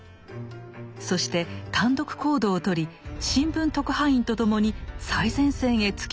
そして単独行動をとり新聞特派員と共に最前線へ突き進みました。